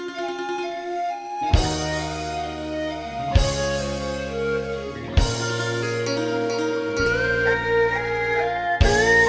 ขอบคุณครับ